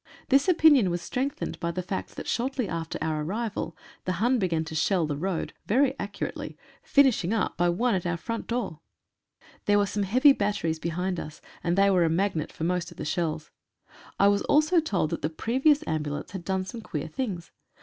This opinion was strengthened by the fact that shortly after our arrival the Hun began to shell the road, very accurately, finishing up by one at our front door. There were some heavy batteries behind us, and they were a magnet for most of the shells. I was also told that the previous ambulance had done some queer things.